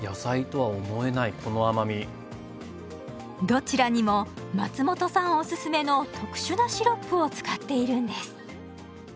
どちらにも松本さんおすすめの特殊なシロップを使っているんです。